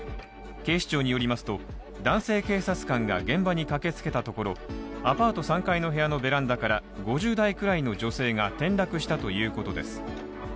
警視庁によりますと男性警察官が現場に駆けつけたところアパート３階の部屋のベランダから５０代くらいの女性が転落したということです。